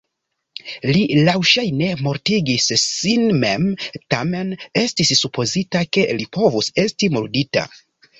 Li laŭŝajne mortigis sin mem, tamen estis supozita ke li povus esti murdita.